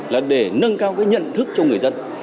là để nâng cao cái nhận thức cho người dân